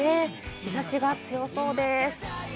日差しが強そうです。